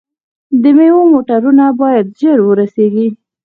د میوو موټرونه باید ژر ورسیږي.